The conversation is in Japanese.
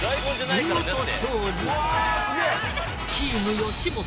見事勝利！